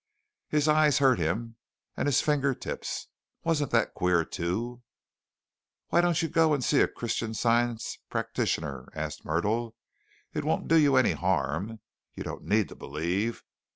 His eyes hurt him and his finger tips. Wasn't that queer, too? "Why don't you go and see a Christian Science practitioner?" asked Myrtle. "It won't do you any harm. You don't need to believe.